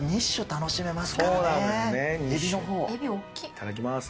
いただきます。